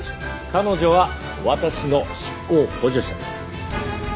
彼女は私の執行補助者です。